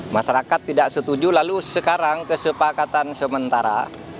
masyarakat tidak setuju lalu sekarang kesepakatan sementara